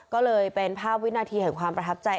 ก็เลยเป็นภาพวินาทีแห่งความประทับใจ